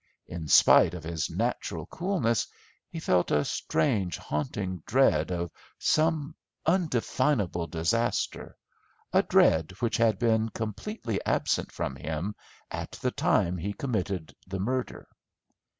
In spite of his natural coolness, he felt a strange, haunting dread of some undefinable disaster, a dread which had been completely absent from him at the time he committed the murder.